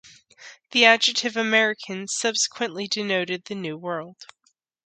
The adjective "American" subsequently denoted the New World.